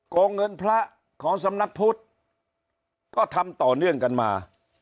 งเงินพระของสำนักพุทธก็ทำต่อเนื่องกันมา